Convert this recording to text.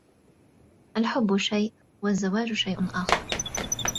الحب شيء و الزواج شيء آخر.